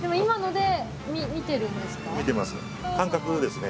見てますね。